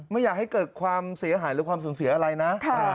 ไม่อยากให้เกิดความเสียหายหรือความสูญเสียอะไรนะ